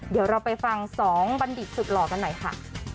เดี๋ยวเราไปฟัง๒บัณฑิตสุดหล่อกันหน่อยค่ะ